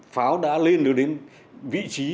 pháo đã lên được đến vị trí